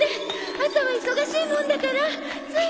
朝は忙しいもんだからつい。